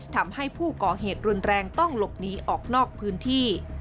ทำให้ผู้ก่อเหตุรุนแรงต้องหลบหนีออกนอกพื้นที่